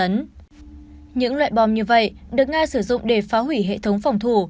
những loại bom như vậy được nga sử dụng để phá hủy hệ thống phòng thủ